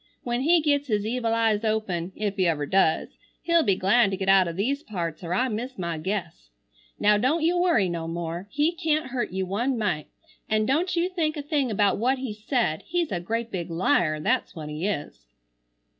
When he gets his evil eyes open, if he ever does, he'll be glad to get out o' these parts or I miss my guess. Now don't you worry no more. He can't hurt you one mite. An' don't you think a thing about what he said. He's a great big liar, that's what he is."